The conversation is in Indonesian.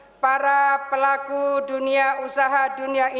dunia kemasyarakatan para pelaku dunia usaha dunia kemasyarakatan para pelaku dunia usaha dunia